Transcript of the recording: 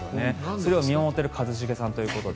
それを見守ってる一茂さんということで。